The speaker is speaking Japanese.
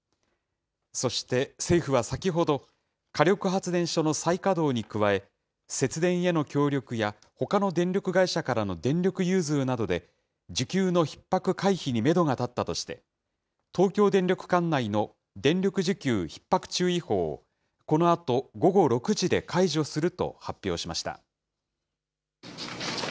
そして、政府は先ほど、火力発電所の再稼働に加え、節電への協力やほかの電力会社からの電力融通などで、需給のひっ迫回避にメドが立ったとして、東京電力管内の電力需給ひっ迫注意報を、このあと午後６時で解除すると発表しました。